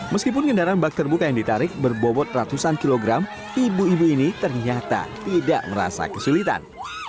meskipun kendaraan bak terbuka yang ditarik berbobot ratusan kilogram ibu ibu ini ternyata tidak merasa kesulitan